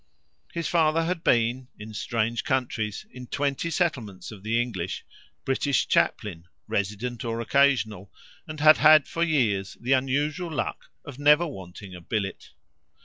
His father had been, in strange countries, in twenty settlements of the English, British chaplain, resident or occasional, and had had for years the unusual luck of never wanting a billet.